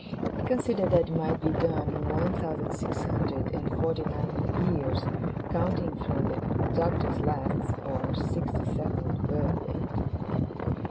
He considered that it might be done in one thousand six hundred and forty nine years, counting from the Doctor's last, or sixty second, birthday.